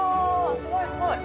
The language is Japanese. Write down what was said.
すごいすごい。